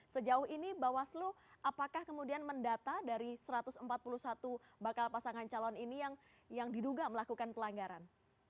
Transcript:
sejauh ini bawaslu apakah kemudian mendata dari satu ratus empat puluh satu bakal pasangan calon ini yang diduga melakukan pelanggaran